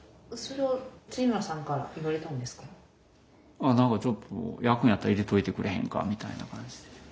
ああなんかちょっと焼くんやったら入れといてくれへんかみたいな感じで。